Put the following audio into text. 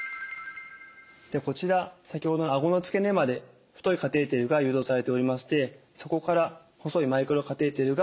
こちら先ほどあごの付け根まで太いカテーテルが誘導されておりましてそこから細いマイクロカテーテルが出ています。